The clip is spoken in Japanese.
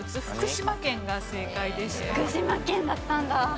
福島県だったんだ。